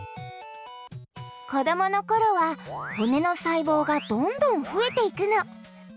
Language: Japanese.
こどものころは骨の細胞がどんどんふえていくの。